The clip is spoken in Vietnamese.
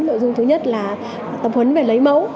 nội dung thứ nhất là tập huấn về lấy mẫu